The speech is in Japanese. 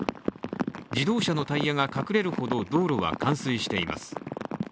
自動車のタイヤが隠れるほど道路は冠水しています。